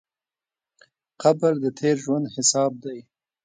قبر د تېر ژوند حساب دی.